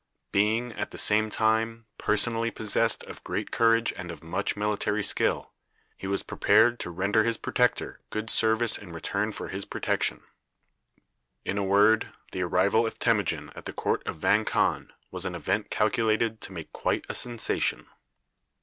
Being, at the same time, personally possessed of great courage and of much military skill, he was prepared to render his protector good service in return for his protection. In a word, the arrival of Temujin at the court of Vang Khan was an event calculated to make quite a sensation.